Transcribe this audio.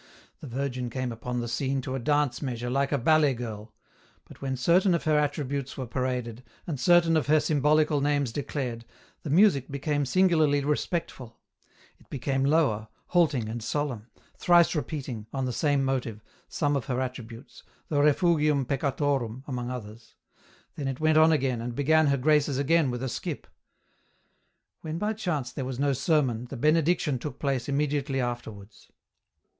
The Virgin came upon the scene to a dance measure like a ballet girl ; but when certain of her attributes were paraded, and certain of her symbolical names declared, the music became singularly respectful ; it became lower, halt ing and solemn, thrice repeating, on the same motive, some of her attributes, the "Refugium Peccatorum" amongothers ; then it went on again, and began her graces again with a skip. When by chance there was no sermon, the Benediction took place immediately afterwards.